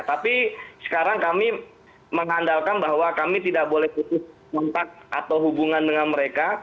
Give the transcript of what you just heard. tapi sekarang kami mengandalkan bahwa kami tidak boleh putus kontak atau hubungan dengan mereka